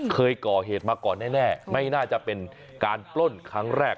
เคยก่อเหตุมาก่อนแน่ไม่น่าจะเป็นการปล้นครั้งแรก